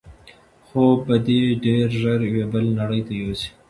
خوب به دی ډېر ژر یوې بلې نړۍ ته یوسي.